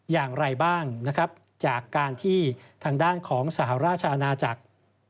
อย่างไรบ้างนะครับจากการที่ทางด้านของสหราชอาณาจักร